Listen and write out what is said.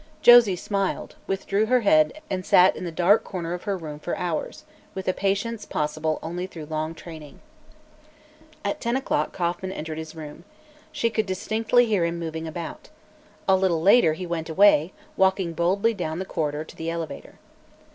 Josie smiled, withdrew her head and sat in the dark of her room for hours, with a patience possible only through long training. At ten o'clock Kauffman entered his room. She could distinctly hear him moving about. A little later he went away, walking boldly down the corridor to the elevator.